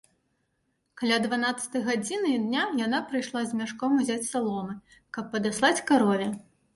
Каля дванаццатай гадзіны дня яна прыйшла з мяшком узяць саломы, каб падаслаць карове.